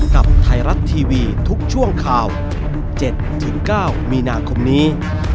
กับไทยรัฐทีวีทุกช่วงข่าว๗๙มีนาคมนี้